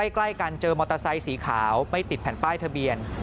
ใกล้กันเจอมอเตอร์ไซค์สีขาวไม่ติดแผ่นป้ายทะเบียน